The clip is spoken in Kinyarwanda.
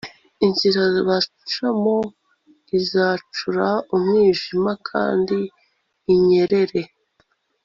inzira bacamo izacure umwijima kandi inyerere